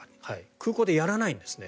空港でやらないんですね。